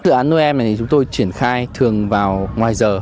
dự án nuôi em này chúng tôi triển khai thường vào ngoài giờ